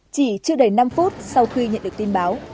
chỉ chưa đầy năm phút sau khi nhận được tin báo